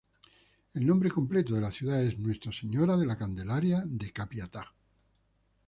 El nombre completo de la ciudad es ―Nuestra Señora de la Candelaria de Capiatá―.